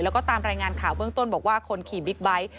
แล้วก็ตามรายงานข่าวเบื้องต้นบอกว่าคนขี่บิ๊กไบท์